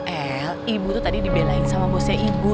el ibu tuh tadi dibelain sama bosnya ibu